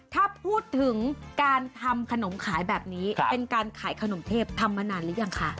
ถ้าพูดถึงการทำขนมขายแบบนี้เป็นการขายขนมเทพทำมานานหรือยังคะ